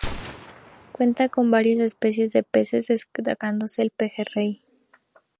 Cuenta con varias especies de peces destacándose el pejerrey.